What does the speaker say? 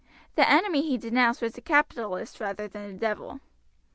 The enemy he denounced was the capitalist rather than the devil.